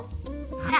あら。